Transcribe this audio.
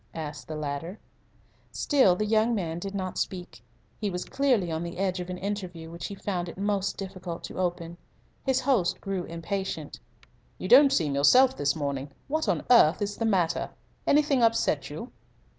asked the latter. Still the young man did not speak. He was clearly on the edge of an interview which he found it most difficult to open. His host grew impatient. "You don't seem yourself this morning. What on earth is the matter? Anything upset you?"